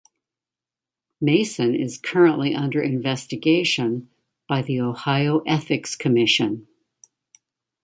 Mason is currently under investigation by the Ohio Ethics Commission.